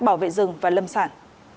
bảo vệ rừng và lâm sản